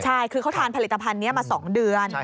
ใช่คือเขาทานผลิตภัณฑ์นี้มา๒เดือน